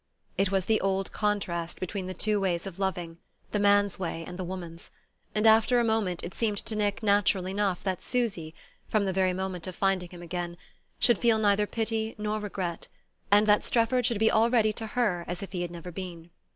It was the old contrast between the two ways of loving, the man's way and the woman's; and after a moment it seemed to Nick natural enough that Susy, from the very moment of finding him again, should feel neither pity nor regret, and that Strefford should already be to her as if he had never been.